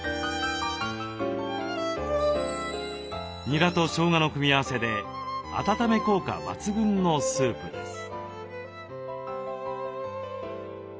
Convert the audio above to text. にらとしょうがの組み合わせで温め効果抜群のスープです。